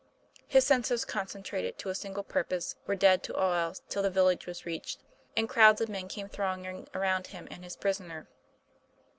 His senses, concentrated to a single purpose, were dead to all else till the village was reached, and crowds of men came thronging around him and his prisoner.